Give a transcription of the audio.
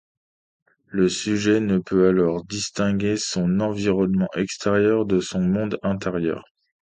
Le sujet ne peut alors distinguer son environnement extérieur de son monde intérieur.